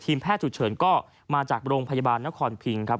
แพทย์ฉุกเฉินก็มาจากโรงพยาบาลนครพิงครับ